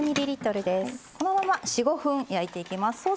このまま４５分焼いていきます。